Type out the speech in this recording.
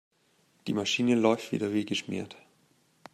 Die Maschine läuft wieder wie geschmiert.